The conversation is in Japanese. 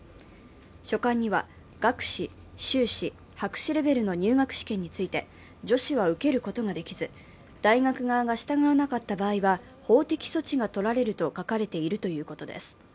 書簡には学士、修士、博士レベルの入学試験について、女子は受けることができず、大学側が従わなかった場合は、法的措置が取られると書かれているということです。